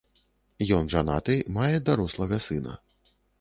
Ён жанаты, мае дарослага сына.